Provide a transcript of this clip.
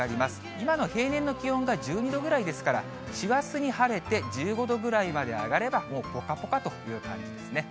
今の平年の気温が１２度ぐらいですから、師走に晴れて１５度ぐらいまで上がれば、もうぽかぽかという感じですね。